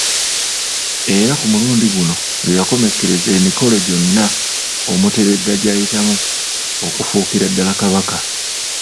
Era ku mulundi guno lwe yakomekkereza emikolo gyonna Omuteregga gy'ayitamu okufuukira ddala Kabaka.